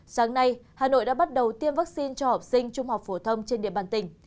sáng nay hà nội đã bắt đầu tiêm vaccine cho học sinh trung học phổ thông trên địa bàn tỉnh